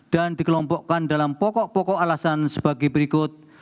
dan dikelompokkan dalam pokok pokok alasan sebagai berikut